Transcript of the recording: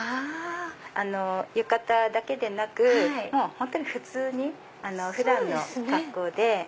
浴衣だけでなく普通に普段の格好で。